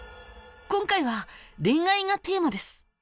今回は「恋愛」がテーマです。